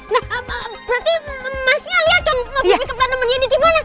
nah berarti emasnya lihat dong mobilnya pelat nomornya ini di mana di mana